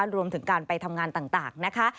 รวมถึงการไปทำงานต่างนะคะ